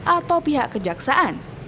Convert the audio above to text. atau pihak kejaksaan